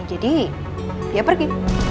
jadi dia pergi